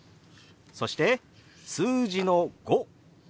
そして数字の「５」。